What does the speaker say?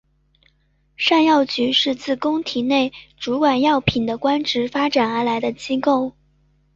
尚药局是自宫廷内主管药品的官职发展而来的机构。